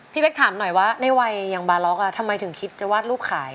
พี่เป๊กถามหน่อยว่าในวัยอย่างบาล็อกทำไมถึงคิดจะวาดรูปขาย